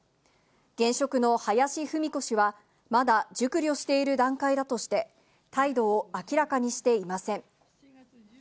現職の林文子氏は、まだ熟慮している段階だとして、態度を明らかにしていません。